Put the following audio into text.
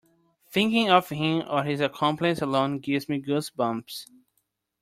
Thinking of him or his accomplice alone gives me goose bumps.